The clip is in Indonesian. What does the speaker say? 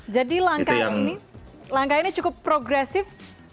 jadi langkah ini cukup progresif